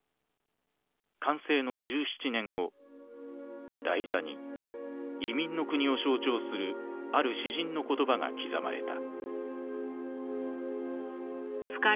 完成の１７年後台座に移民の国を象徴するある詩人の言葉が刻まれた。